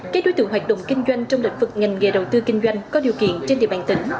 các đối tượng hoạt động kinh doanh trong lĩnh vực ngành nghề đầu tư kinh doanh có điều kiện trên địa bàn tỉnh